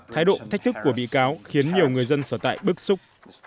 thái độ thách thức của bị cáo khiến nhiều người dân sở tại bức xúc